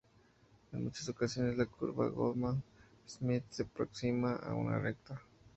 En muchas ocasiones la curva de Goodman-Smith se aproxima a una recta.